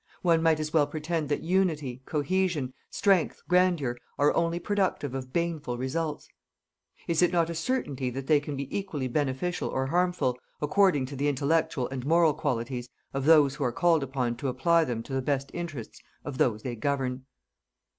One might as well pretend that unity, cohesion, strength, grandeur, are only productive of baneful results. Is it not a certainty that they can be equally beneficial or harmful, according to the intellectual and moral qualities of those who are called upon to apply them to the best interests of those they govern.